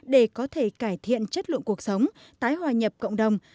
để có thể cải thiện chất lượng cuộc sống tái hòa nhập cộng đồng